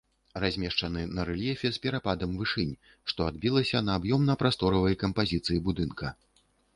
Размешчаны на рэльефе з перападам вышынь, што адбілася на аб'ёмна-прасторавай кампазіцыі будынка.